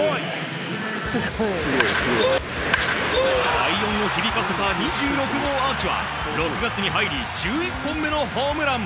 快音を響かせた２６号アーチは６月に入り１１本目のホームラン。